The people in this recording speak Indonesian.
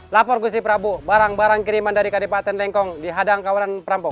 lapor gusti prabu barang barang kiriman dari kadipaten lengkong di hadang kawasan perampok